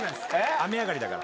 雨上がりだから。